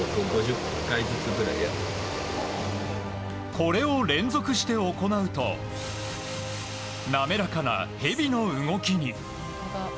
これを連続して行うとなめらかな蛇の動きに。